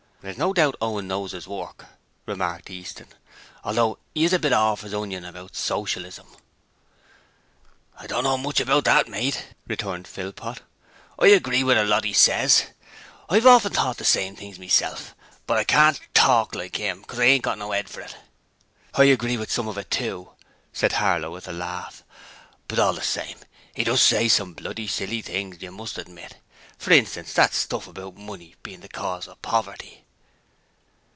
'There's no doubt Owen knows 'is work,' remarked Easton, 'although 'e is a bit orf is onion about Socialism.' 'I don't know so much about that, mate,' returned Philpot. 'I agree with a lot that 'e ses. I've often thought the same things meself, but I can't talk like 'im, 'cause I ain't got no 'ead for it.' 'I agree with some of it too,' said Harlow with a laugh, 'but all the same 'e does say some bloody silly things, you must admit. For instance, that stuff about money bein' the cause of poverty.'